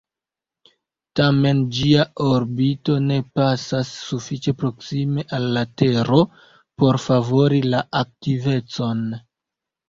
Tamen, ĝia orbito ne pasas sufiĉe proksime al la tero por favori la aktivecon.